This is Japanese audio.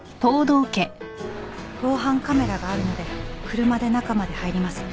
防犯カメラがあるので車で中まで入ります。